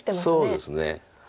そうですね。